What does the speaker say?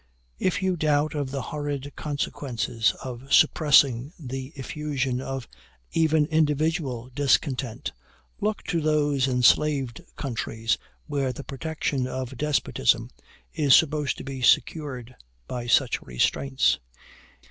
If you doubt of the horrid consequences of suppressing the effusion of even individual discontent, look to those enslaved countries where the protection of despotism is supposed to be secured by such restraints.